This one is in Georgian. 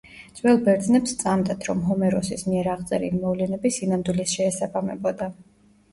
ძველ ბერძნებს სწამდათ, რომ ჰომეროსის მიერ აღწერილი მოვლენები სინამდვილეს შეესაბამებოდა.